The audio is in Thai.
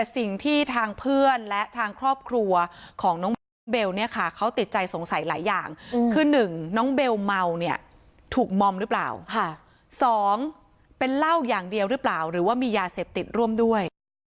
สองเป็นเหล้าอย่างเดียวหรือเปล่าหรือว่ามียาเสพติดร่วมด้วย